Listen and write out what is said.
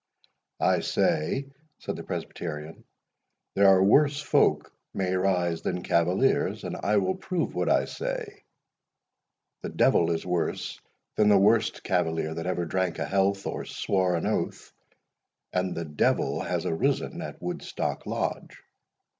"I say," said the Presbyterian, "there are worse folk may rise than cavaliers; and I will prove what I say. The devil is worse than the worst cavalier that ever drank a health, or swore an oath—and the devil has arisen at Woodstock Lodge!"